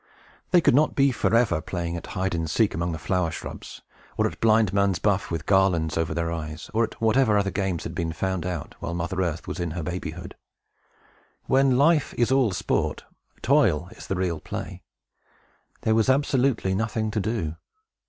They could not be forever playing at hide and seek among the flower shrubs, or at blind man's buff with garlands over their eyes, or at whatever other games had been found out, while Mother Earth was in her babyhood. When life is all sport, toil is the real play. There was absolutely nothing to do.